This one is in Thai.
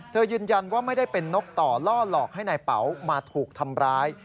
ยืนยันว่าไม่ได้เป็นนกต่อล่อหลอกให้นายเป๋ามาถูกทำร้าย